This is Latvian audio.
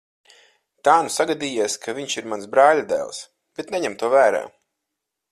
Tā nu sagadījies, ka viņš ir mans brāļadēls, bet neņem to vērā.